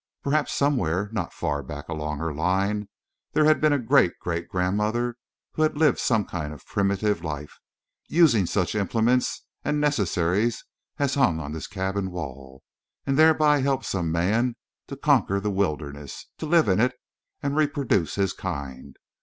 Perhaps somewhere not far back along her line there had been a great great grandmother who had lived some kind of a primitive life, using such implements and necessaries as hung on this cabin wall, and thereby helped some man to conquer the wilderness, to live in it, and reproduce his kind.